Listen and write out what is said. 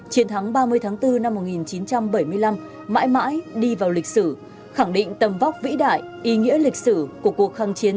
chiến thắng ba mươi tháng bốn năm một nghìn chín trăm bảy mươi năm mãi mãi đi vào lịch sử khẳng định tầm vóc vĩ đại ý nghĩa lịch sử của cuộc kháng chiến